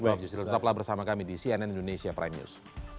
bang justil tetaplah bersama kami di cnn indonesia prime news